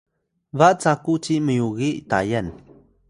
ba caku ci myugiy Tayal